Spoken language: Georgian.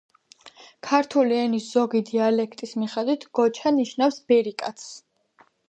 ქართული ენის ზოგი დიალექტის მიხედვით, გოჩა ნიშნავს „ბერიკაცს“.